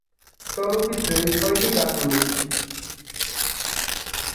চলচ্চিত্রে ছয়টি গান রয়েছে।